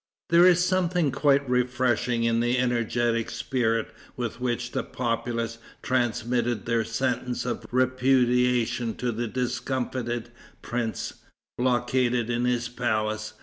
There is something quite refreshing in the energetic spirit with which the populace transmitted their sentence of repudiation to the discomfited prince, blockaded in his palace.